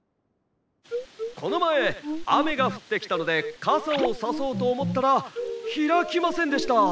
「このまえあめがふってきたのでかさをさそうとおもったらひらきませんでした。